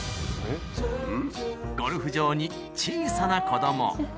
ゴルフ場に小さな子供。